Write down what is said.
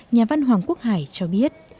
nhà văn hoàng quốc hải cho biết